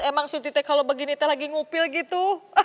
emang suti teh kalau begini teh lagi ngupil gitu